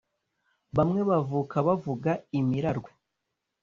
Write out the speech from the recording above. bamwe bavuka bavuga imirarwe